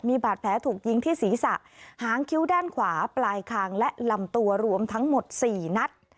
มีบาดแผลถูกยิงที่ศีรษะหางคิ้วด้านขวาปลายคางและลำตัวรวมทั้งหมด๔นัด